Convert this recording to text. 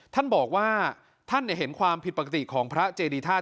ท่านบอกว่าท่านเห็นความผิดปกติของพระเจดีธาตุ